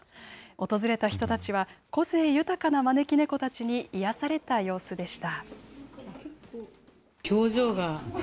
訪れた人たちは個性豊かな招き猫たちに癒やされた様子でした。